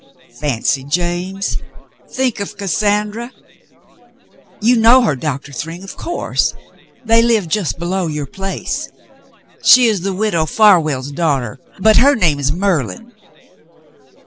Fancy, James ! Think of Cassandra. You knov/ her, Doctor Thryng, of course. They live just below your place. She is the Widow Far well's daughter, but her name is Merlin."